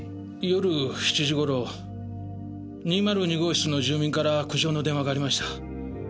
夜７時頃２０２号室の住人から苦情の電話がありました。